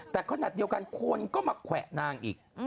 แต่ขนาดเดียวกันคนก็มาแขวะนางอีก